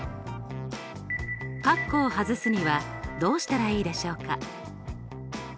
かっこを外すにはどうしたらいいでしょうか？